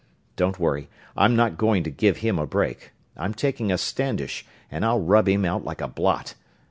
Don't worry, I'm not going to give him a break. I'm taking a Standish and I'll rub him out like a blot.